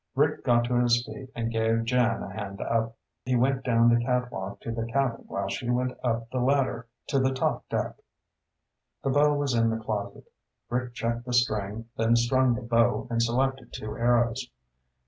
Rick got to his feet and gave Jan a hand up. He went down the catwalk to the cabin while she went up the ladder to the top deck. The bow was in the closet. Rick checked the string, then strung the bow and selected two arrows.